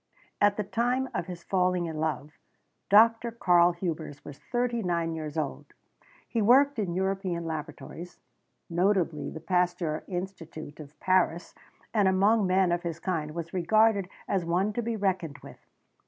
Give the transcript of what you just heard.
At the time of his falling in love, Dr. Karl Hubers was thirty nine years old. He had worked in European laboratories, notably the Pasteur Institute of Paris, and among men of his kind was regarded as one to be reckoned with.